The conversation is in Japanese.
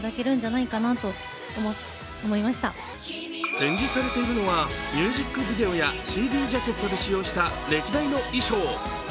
展示されているのは、ミュージックビデオやＣＤジャケットで使用した歴代の衣装。